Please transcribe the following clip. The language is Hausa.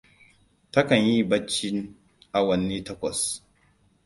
Ta kan yi baccin awanni takwas.